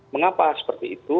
mengapa seperti itu